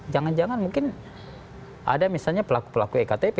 jangan jangan mungkin ada misalnya pelaku pelaku ektp